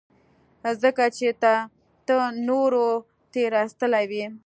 ځکه چې ته نورو تېرايستلى وې.